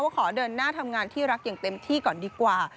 ขอเดินหน้าทำงานที่รักอย่างเต็มที่ก่อนดีกว่า